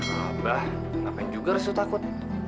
abah ngapain juga harus takut